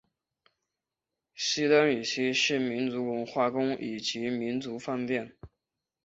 西单以西是民族文化宫以及民族饭店。